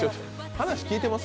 話聞いてます？